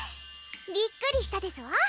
びっくりしたですわ？